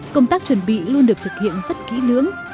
công tác chuẩn bị luôn được thực hiện rất kỹ lưỡng